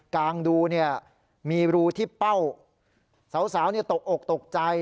กางดูเนี่ยมีรูที่เป้าสาวเนี่ยตกอกตกใจ